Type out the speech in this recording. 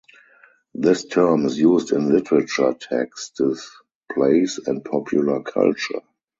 This term is used in literature texts, plays and popular culture.